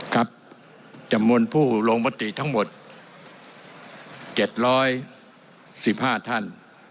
ครับจำนวนผู้โรงบัตรีทั้งหมดเจ็ดร้อยสิบห้าท่าน